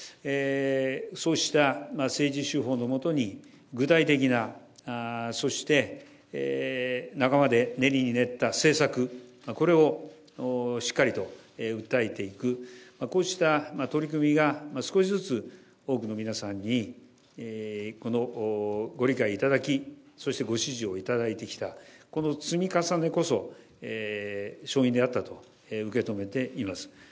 そうした政治手法の下に、具体的な、そして仲間で練りに練った政策、これをしっかりと訴えていく、こうした取り組みが、少しずつ多くの皆さんにこのご理解いただき、そしてご支持を頂いてきた、この積み重ねこそ、勝因であったと受け止めています。